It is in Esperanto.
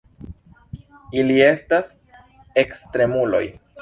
Ili estas ekstremuloj.